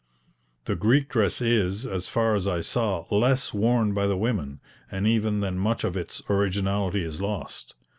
The Greek dress is, as far as I saw, less worn by the women, and even then much of its originality is lost.